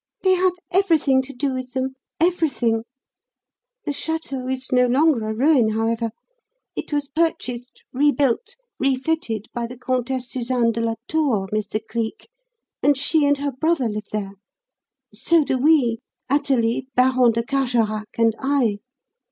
"They have everything to do with them everything. The Château is no longer a ruin, however. It was purchased, rebuilt, refitted by the Comtesse Susanne de la Tour, Mr. Cleek, and she and her brother live there. So do we Athalie, Baron de Carjorac, and I.